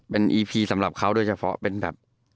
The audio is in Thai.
เป็นอีพีสำหรับเขาด้วยเฉพาะ